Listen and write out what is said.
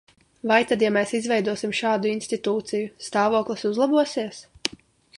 Vai tad, ja mēs izveidosim šādu institūciju, stāvoklis uzlabosies?